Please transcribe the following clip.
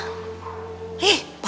tapi itu bener pak